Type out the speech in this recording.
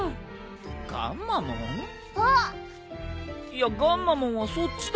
いやガンマモンはそっちだろ？